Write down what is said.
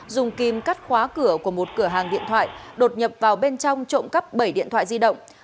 dùng kim cắt khóa cửa của một cửa hàng điện thoại đột nhập vào bên trong trộm cắp bảy điện thoại di động